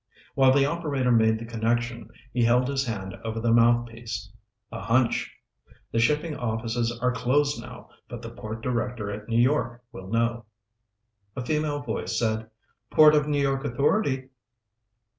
While the operator made the connection, he held his hand over the mouthpiece. "A hunch. The shipping offices are closed now, but the Port Director at New York will know." A female voice said, "Port of New York Authority."